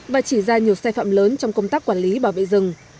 và chỉ ra nhiều sai phạm lớn trong công tác quản lý bảo vệ rừng